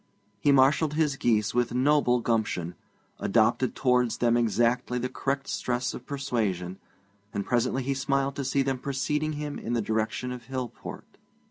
He marshalled his geese with notable gumption, adopted towards them exactly the correct stress of persuasion, and presently he smiled to see them preceding him in the direction of Hillport.